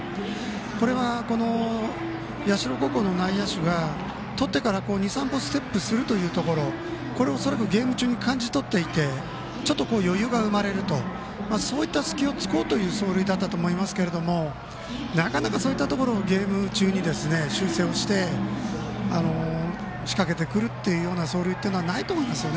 これは社高校の内野手がとってから２３歩ステップするということをゲーム中に感じ取っていてちょっと余裕が生まれるとそういった隙を突こうという走塁だったと思いますがなかなかそういったところをゲーム中に修正をして仕掛けてくるという走塁はないと思います。